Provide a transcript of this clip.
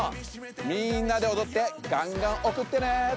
みんなでおどってがんがんおくってね！